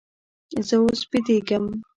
زه اوس بېدېږم.